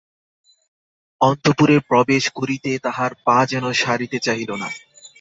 অন্তঃপুরে প্রবেশ করিতে তাহার পা যেন সরিতে চাহিল না।